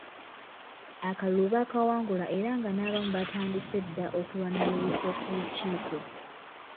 Akalulu baakawangula era nga n'abamu baatandise dda okulwanira ebifo ku lukiiko.